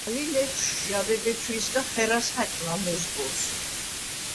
ალი ლეთშვ ჟაბე ბეჩვიისგა ხერას ხა̈ჭმა მეზგოლს.